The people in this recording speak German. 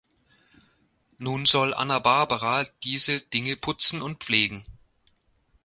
Nun soll Anna Barbara diese Dinge putzen und pflegen.